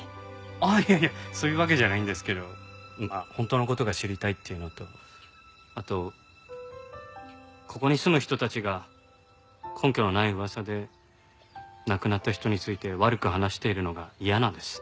あっいやいやそういうわけじゃないんですけど本当の事が知りたいっていうのとあとここに住む人たちが根拠のない噂で亡くなった人について悪く話しているのが嫌なんです。